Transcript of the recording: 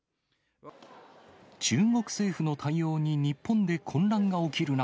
中国政府の対応に日本で混乱が起きる中。